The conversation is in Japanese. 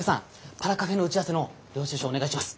パラカフェの打ち合わせの領収書お願いします。